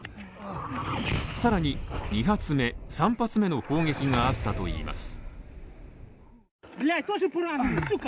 さらに２発目、３発目の砲撃があったといいます。